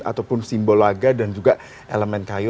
ataupun simbol laga dan juga elemen kayu